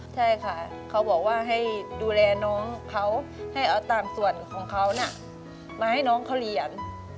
ใช่ค่ะเขาบอกว่าให้ดูแลน้องเขาให้เอาตามส่วนของเขามาให้น้องเขาเรียน